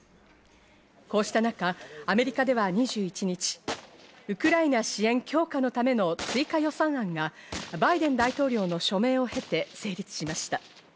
こうした中、アメリカでは２１日、ウクライナ支援強化のための追加予算案がバイデン大統領の署名を経て成立しました。